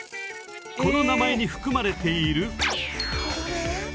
この名前に含まれている「７」。